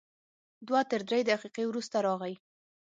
دوه تر درې دقیقې وروسته راغی.